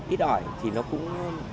ít ỏi thì nó cũng